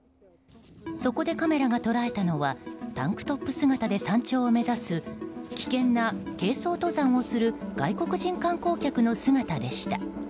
そこでカメラが捉えたのはタンクトップ姿で山頂を目指す危険な軽装登山をする外国人観光客の姿でした。